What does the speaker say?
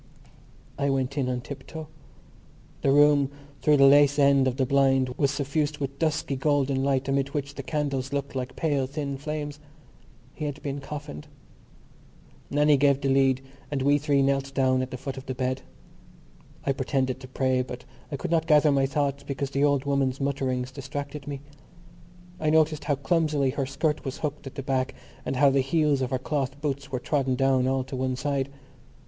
I went in on tiptoe. The room through the lace end of the blind was suffused with dusky golden light amid which the candles looked like pale thin flames. He had been coffined. Nannie gave the lead and we three knelt down at the foot of the bed. I pretended to pray but I could not gather my thoughts because the old woman's mutterings distracted me. I noticed how clumsily her skirt was hooked at the back and how the heels of her cloth boots were trodden down all to one side.